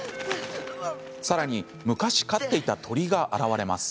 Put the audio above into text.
さらに昔、飼っていた鳥が現れます。